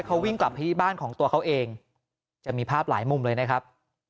เขาวิ่งกลับไปที่บ้านของตัวเขาเองจะมีภาพหลายมุมเลยนะครับ